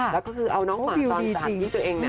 แล้วก็คือเอาน้องหมาตอนจากที่ตัวเอง